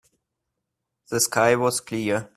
The sky was clear.